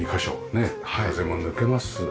ねえ風も抜けます。